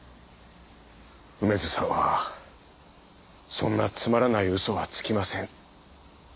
梅津さんはそんなつまらない嘘はつきません。